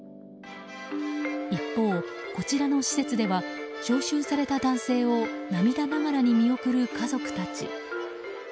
一方、こちらの施設では招集された男性を涙ながらに見送る家族たち。